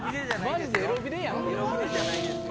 マジでエロビデやん。